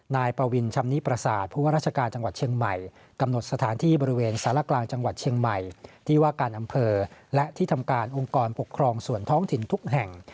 นายปวินชำนิประสาทผู้ว่าราชการจังหวัดเชียงใหม่กำหนดสถานที่บริเวณสารกลางจังหวัดเชียงใหม่ที่ว่าการอำเภอและที่ทำการองค์กรปกครองส่วนท้องถิ่นทุกแห่ง